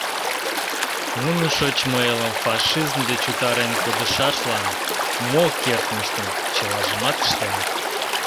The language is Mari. Нуно шочмо элым фашизм деч утарен кодышашлан мо кертмыштым чылажымат ыштеныт.